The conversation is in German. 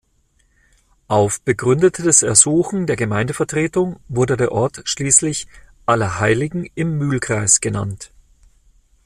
Auf begründetes Ersuchen der Gemeindevertretung wurde der Ort schließlich Allerheiligen im Mühlkreis genannt.